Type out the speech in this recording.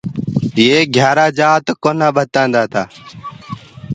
يي گھِيآرآ جآت ڪونآ ٻتآدآتآ۔